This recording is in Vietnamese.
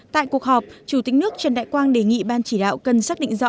tại cuộc họp chủ tịch nước trần đại quang đề nghị ban chỉ đạo cần xác định rõ